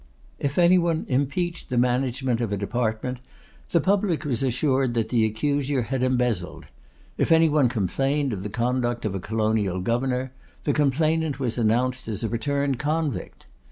If any one impeached the management of a department, the public was assured that the accuser had embezzled; if any one complained of the conduct of a colonial governor, the complainant was announced as a returned convict.